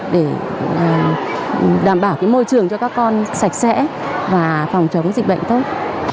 để đảm bảo môi trường cho các con sạch sẽ và phòng chống dịch bệnh tốt